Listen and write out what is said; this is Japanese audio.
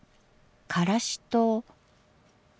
からしと。